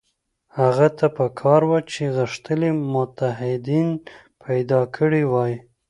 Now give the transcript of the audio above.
هغه ته په کار وه چې غښتلي متحدین پیدا کړي وای.